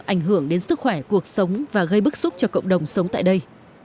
ảnh hưởng đến sức khỏe cuộc sống và gây bức xúc cho cộng đồng sống tại đây